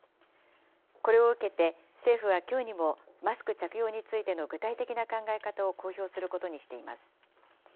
これを受けて、政府はきょうにも、マスク着用についての具体的な考え方を公表することにしています。